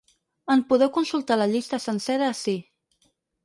En podeu consultar la llista sencera ací.